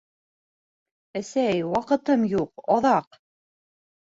Әсәй, ваҡытым юҡ, аҙаҡ!